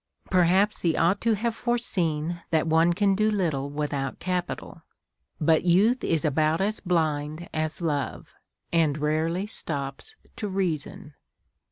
Perhaps he ought to have foreseen that one can do little without capital; but youth is about as blind as love, and rarely stops to reason.